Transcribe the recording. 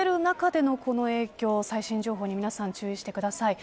旅行者が増える中でのこの影響最新情報に注意してください。